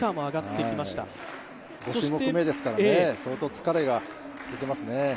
５種目めですからね、相当疲れが出てますね。